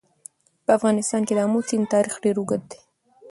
په افغانستان کې د آمو سیند تاریخ ډېر اوږد دی.